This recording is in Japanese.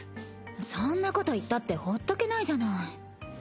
そんなこと言ったってほっとけないじゃない。